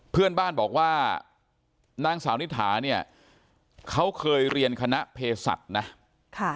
เพื่อนบ้านบอกว่านางสาวนิทหาเนี่ยเขาเคยเรียนคณะเพศสัจนะ